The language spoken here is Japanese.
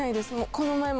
この前も。